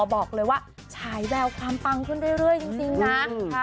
บอกเลยว่าฉายแววความปังขึ้นเรื่อยจริงนะ